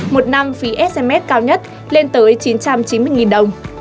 một năm phí sms cao nhất lên tới chín trăm chín mươi đồng